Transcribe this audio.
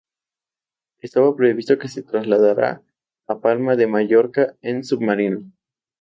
Estaba previsto que se trasladara a Palma de Mallorca en submarino.